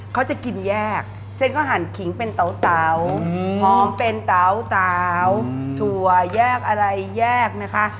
เขาจะกินแยกเช่นเขาหั่นขิงเป็นเตาหอมเป็นเตาถั่วแยกอะไรแยกนะคะ